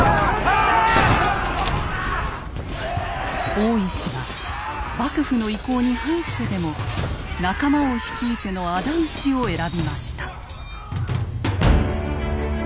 大石は幕府の意向に反してでも仲間を率いてのあだ討ちを選びました。